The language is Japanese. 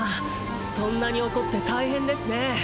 そんなに怒って大変ですね